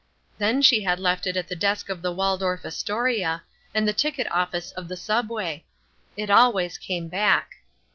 Then she had left it at the desk of the Waldorf Astoria, and at the ticket office of the subway. It always came back.